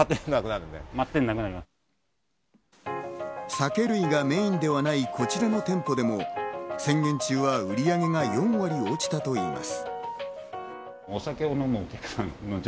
酒類がメインではないこちらの店舗でも宣言中は売り上げが４割落ちたといいます。